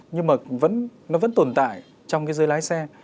nhưng mà vẫn tồn tại trong cái giới lái xe